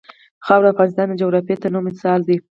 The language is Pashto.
خاوره د افغانستان د جغرافیوي تنوع مثال دی.